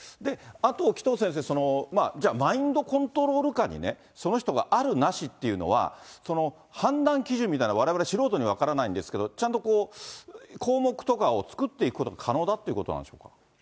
あと紀藤先生、じゃあ、マインドコントロール下にその人があるなしっていうのは、判断基準みたいなのは、われわれ素人には分からないんですが、ちゃんとこう、項目とかを作っていくことも可能だっていうことなんですか。